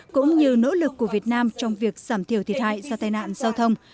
cũng như nỗ lực của việt nam trong việc giảm thiểu thiệt hại do tai nạn giao thông